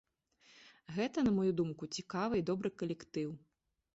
Гэта, на маю думку, цікавы і добры калектыў.